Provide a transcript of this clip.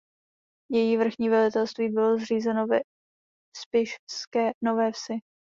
Její vrchní velitelství bylo zřízeno ve Spišské Nové Vsi.